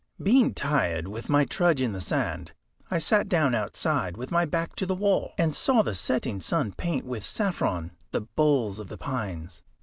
Being tired with my trudge in the sand, I sat down outside, with my back to the wall, and saw the setting sun paint with saffron the boles of the pines.